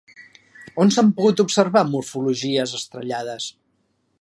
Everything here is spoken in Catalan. On s'han pogut observar morfologies estrellades?